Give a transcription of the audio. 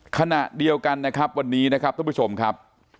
ขณะเดียวกันนะครับวันนี้นะครับท่านผู้ชมครับ